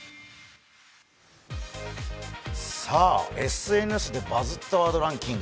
ＳＮＳで「バズったワードランキング」。